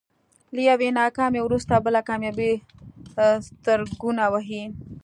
له يوې ناکامي وروسته بله کاميابي سترګکونه وهي.